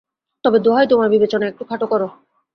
তবে দোহাই তোমার, বিবেচনা একটু খাটো করো।